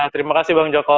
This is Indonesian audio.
terima kasih bang joko